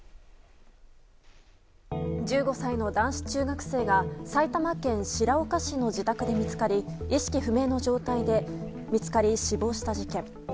１５歳の男子中学生が埼玉県白岡市の自宅で意識不明の状態で見つかり死亡した事件。